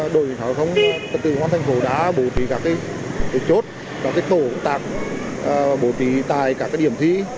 bảo quản đề thi bảo quản đề thi bảo quản đề thi bảo quản đề thi